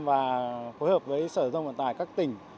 và phối hợp với sở dân vận tải các tỉnh